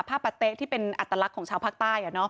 ปะเต๊ะที่เป็นอัตลักษณ์ของชาวภาคใต้